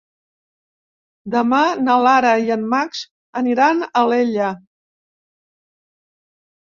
Demà na Lara i en Max aniran a Alella.